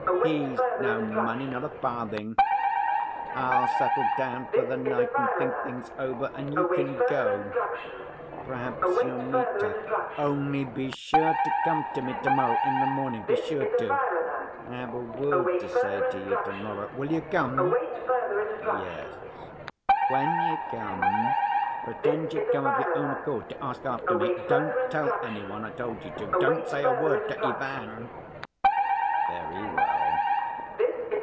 "He's no money; not a farthing. I'll settle down for the night, and think things over, and you can go. Perhaps you'll meet her.... Only be sure to come to me to‐morrow in the morning. Be sure to. I have a word to say to you to‐morrow. Will you come?" "Yes." "When you come, pretend you've come of your own accord to ask after me. Don't tell any one I told you to. Don't say a word to Ivan." "Very well."